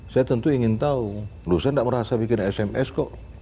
saya tentu ingin tahu loh saya tidak merasa bikin sms kok